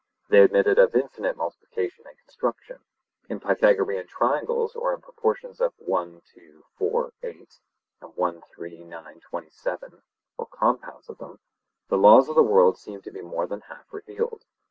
They admitted of infinite multiplication and construction; in Pythagorean triangles or in proportions of 1:2:4:8 and 1:3:9:27, or compounds of them, the laws of the world seemed to be more than half revealed.